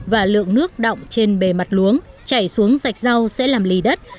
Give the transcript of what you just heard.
và lượng nước đọng trên bề mặt luống chạy xuống sạch rau sẽ làm lì đất